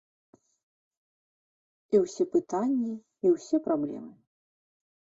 І ўсе пытанні, і ўсе праблемы.